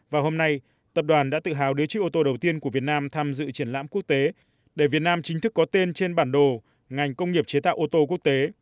và hôm nay tập đoàn đã tự hào đứa chiếc ô tô đầu tiên của việt nam tham dự triển lãm quốc tế để việt nam chính thức có tên trên bản đồ ngành công nghiệp chế tạo ô tô quốc tế